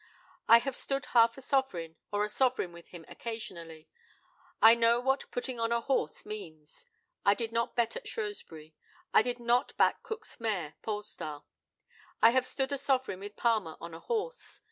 I have stood half a sovereign or a sovereign with him occasionally. I know what "putting on" a horse means. I did not bet at Shrewsbury. I did not back Cook's mare, Polestar. I have stood a sovereign with Palmer on a horse.